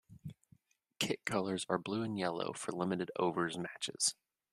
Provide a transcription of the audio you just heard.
Kit colours are blue and yellow for limited overs matches.